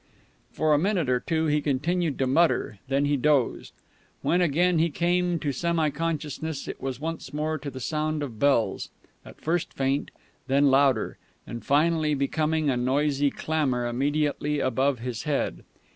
For a minute or two he continued to mutter; then he dozed. When again he came to semi consciousness it was once more to the sound of bells, at first faint, then louder, and finally becoming a noisy clamour immediately above his head.